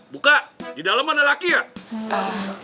buka di dalam ada laki ya